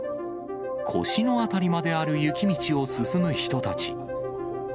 腰の辺りまである雪道を進む人たち。